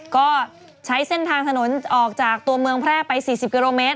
ก็ใช้เส้นทางถนนออกจากตัวเมืองแพร่ไป๔๐กิโลเมตร